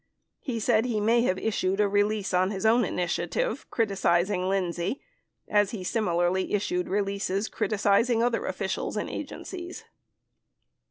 He said he may have issued a release on his own initiative criti cizing Lindsay as he similarly issued releases criticizing other officials and agencies.